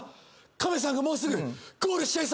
亀さんがもうすぐゴールしちゃいそうだ！